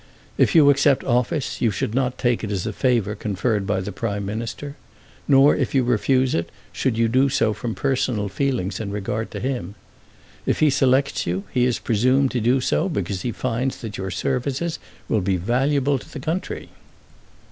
If you accept office, you should not take it as a favour conferred by the Prime Minister; nor if you refuse it, should you do so from personal feelings in regard to him. If he selects you, he is presumed to do so because he finds that your services will be valuable to the country."